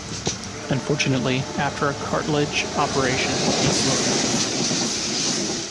Unfortunately, after a cartilage operation he slowed up.